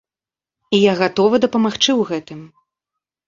І я гатова дапамагчы ў гэтым.